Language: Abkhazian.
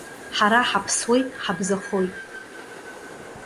Ҳара ҳаԥсуеит, ҳабзахоит.